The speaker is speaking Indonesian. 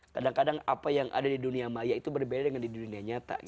kadang kadang apa yang ada di dunia maya itu berbeda dengan di dunia nyata